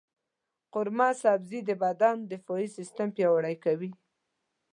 قورمه سبزي د بدن دفاعي سیستم پیاوړی کوي.